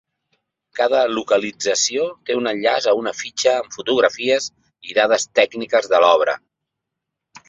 Cada localització té un enllaç a una fitxa amb fotografies i dades tècniques de l'obra.